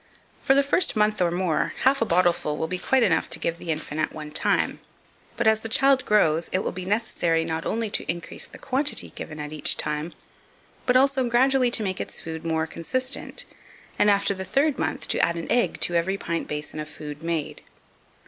For the first month or more, half a bottleful will be quite enough to give the infant at one time; but, as the child grows, it will be necessary not only to increase the quantity given at each time, but also gradually to make its food more consistent, and, after the third month, to add an egg to every pint basin of food made.